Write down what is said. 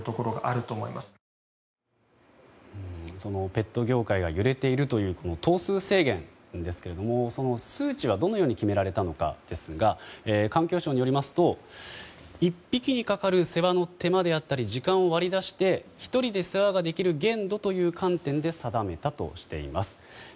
ペット業界が揺れているという頭数制限なんですが、数値はどのように決められたのかですが環境省によりますと１匹にかかる世話の手間であったり時間を割り出して１人が世話ができる限度という観点で定めたとしています。